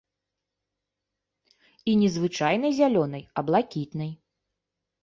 І не звычайнай зялёнай, а блакітнай.